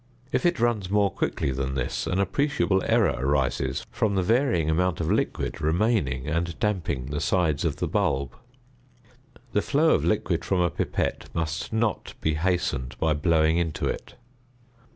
If it runs more quickly than this, an appreciable error arises from the varying amount of liquid remaining, and damping the sides of the bulb. The flow of liquid from a pipette must not be hastened by blowing into it.